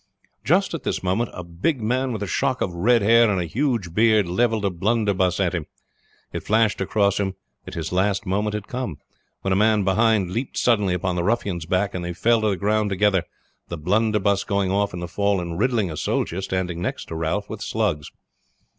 Just at this moment a big man with a shock of red hair and a huge beard leveled a blunderbuss at him. It flashed across him that his last moment had come, when a man behind leaped suddenly upon the ruffian's back and they fell to the ground together, the blunderbuss going off in the fall and riddling a soldier standing next to Ralph with slugs.